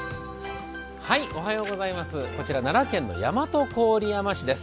こちら、奈良県の大和郡山市です。